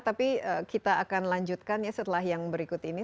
tapi kita akan lanjutkan ya setelah yang berikut ini